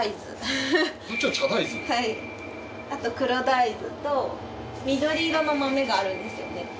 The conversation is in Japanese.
はいあと黒大豆と緑色の豆があるんですよね。